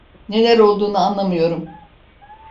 Neler olduğunu anlamıyorum.